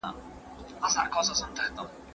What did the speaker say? د ټولني ذوق بايد څنګه جوړ سي؟